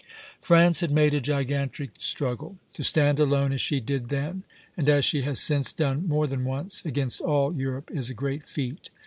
France had made a gigantic struggle; to stand alone as she did then, and as she has since done more than once, against all Europe is a great feat.